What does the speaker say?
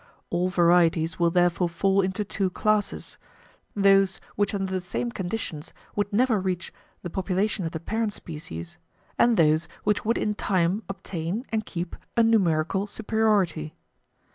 All varieties will therefore fall into two classes those which under the same conditions would never reach the population of the parent species, and those which would in time obtain and keep a numerical superiority.